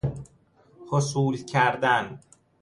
حصول کردن